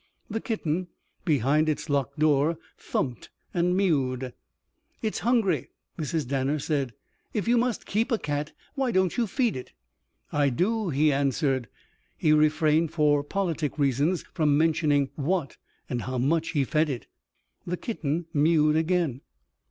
The kitten, behind its locked door, thumped and mewed. "It's hungry," Mrs. Danner said. "If you must keep a cat, why don't you feed it?" "I do," he answered. He refrained, for politic reasons, from mentioning what and how much he fed it. The kitten mewed again.